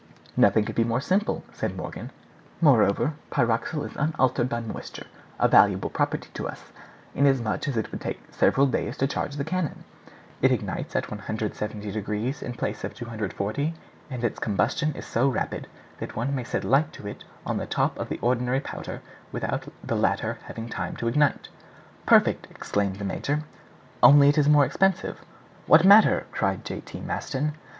"Nothing could be more simple," said Morgan. "Moreover, pyroxyle is unaltered by moisture—a valuable property to us, inasmuch as it would take several days to charge the cannon. It ignites at 170 degrees in place of 240, and its combustion is so rapid that one may set light to it on the top of the ordinary powder, without the latter having time to ignite." "Perfect!" exclaimed the major. "Only it is more expensive." "What matter?" cried J. T. Maston.